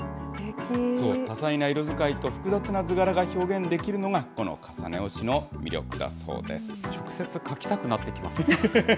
多彩な色遣いと複雑な図柄が表現できるのが、この重ね押しの直接描きたくなってきます。